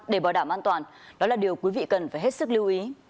để bảo đảm an toàn đó là điều quý vị cần phải hết sức lưu ý